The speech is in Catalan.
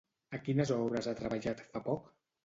A quines obres ha treballat fa poc?